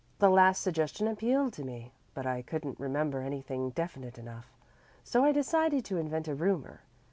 The last suggestion appealed to me, but I couldn't remember anything definite enough, so I decided to invent a rumor.